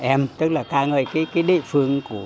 em tức là ca ngợi cái địa phương